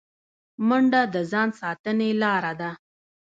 منډه د ځان ساتنې لاره ده